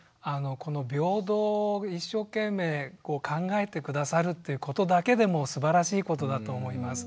この平等を一生懸命考えて下さるっていうことだけでもすばらしいことだと思います。